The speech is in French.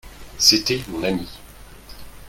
C'était mon ami.